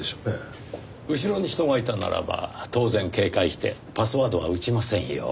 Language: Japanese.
後ろに人がいたならば当然警戒してパスワードは打ちませんよ。